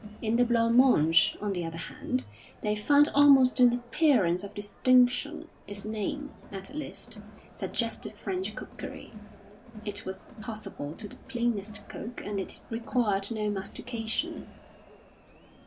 In the blanc mange, on the other hand, they found almost an appearance of distinction; its name, at least, suggested French cookery; it was possible to the plainest cook, and it required no mastication.